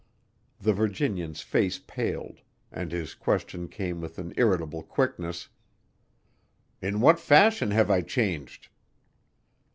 The Virginian's face paled, and his question came with an irritable quickness, "In what fashion have I changed?"